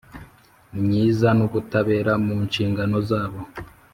Myiza n ubutabera mu nshingano zabo